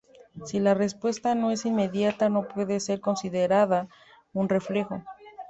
Si la respuesta no es inmediata no puede ser considerada un reflejo.